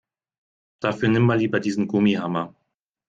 Dafür nimm mal lieber diesen Gummihammer.